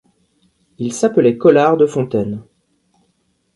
Il s'appelait Colart de Fontaine.